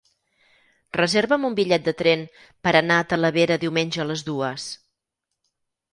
Reserva'm un bitllet de tren per anar a Talavera diumenge a les dues.